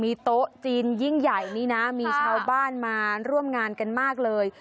มีโต๊ะจีนยิ่งใหญ่นี่นะมีชาวบ้านมาร่วมงานกันมากเลย